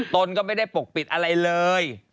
ตนก็ไม่ได้ปกปิดอะไรเลย